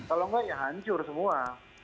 kalau enggak ya hancur semua